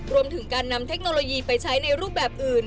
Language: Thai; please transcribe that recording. รวมถึงการนำเทคโนโลยีไปใช้ในรูปแบบอื่น